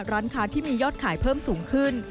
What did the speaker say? ร้านค้าที่มียอดขายเพิ่มสูงขึ้น